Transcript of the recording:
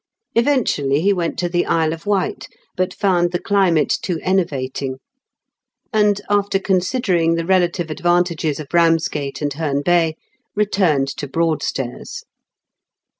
Eventually he went to the Isle of Wight, but 'found the climate too enervating; and, after considering the xelative advantages of Eamsgate and Heme Bay, returned to Broadstairs.